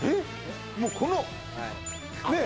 もうこのねえ？